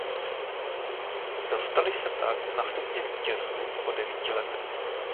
Dostali se tak na stupně vítězů po devíti letech.